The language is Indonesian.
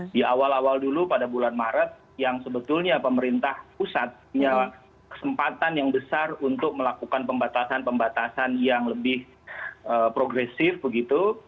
di awal awal dulu pada bulan maret yang sebetulnya pemerintah pusat punya kesempatan yang besar untuk melakukan pembatasan pembatasan yang lebih progresif begitu